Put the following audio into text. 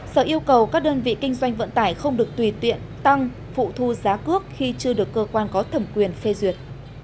sở yêu cầu các đơn vị kinh doanh vận tải không được tùy tiện tăng phụ thu giá cước khi chưa được cơ quan có thẩm quyền phê duyệt